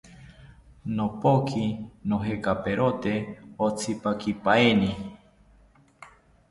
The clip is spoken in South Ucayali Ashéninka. Nopoki nojekaperote otzipakipaeni